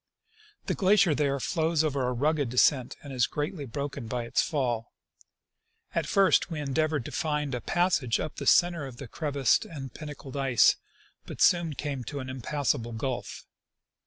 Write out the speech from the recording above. The glacier there flows over a rugged descent, and is greatly broken by its fall. At first we endeavored to find a passage up the center of the crevassed and pinnacled ice, but soon came to an impassable gulf.